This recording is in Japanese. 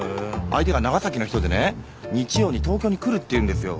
相手が長崎の人でね日曜に東京に来るっていうんですよ。